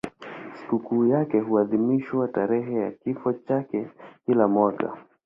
Sikukuu yake huadhimishwa tarehe ya kifo chake kila mwaka.